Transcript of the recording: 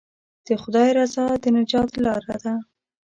د خدای رضا د نجات لاره ده.